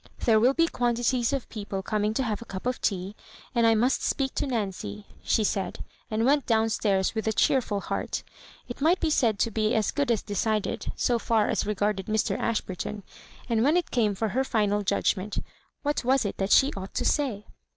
*' There will be quantities of people coming to have a cup of tea, and I must speak to Nancy," she said, and went down stairs with a cheerful heart. It might be said to be as good as decid ed, so far as regarded Mr. Ashburton; and when it came for her final judgment, what was it that she ought to say?